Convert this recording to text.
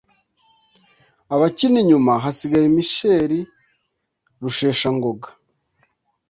Abakina inyuma hagiye Michel Rusheshangoga